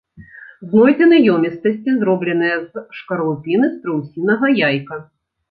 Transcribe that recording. Знойдзены ёмістасці, зробленыя з шкарлупіны страусінага яйка.